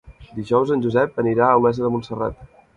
Dijous en Josep anirà a Olesa de Montserrat.